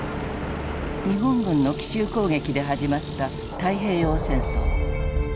日本軍の奇襲攻撃で始まった太平洋戦争。